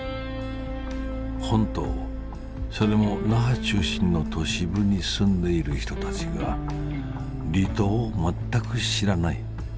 本島それも那覇中心の都市部に住んでいる人たちが離島を全く知らない。